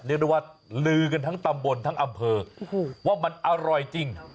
เรียกได้ว่าลือกันทั้งตำบลทั้งอำเภอว่ามันอร่อยจริง